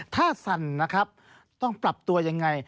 ถ้าสั่นนะครับต้องปรับตัวยังไง